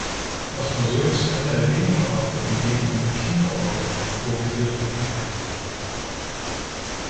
Das Museum ist einer der wenigen Orte, in dem eine Kinoorgel vorgeführt werden kann.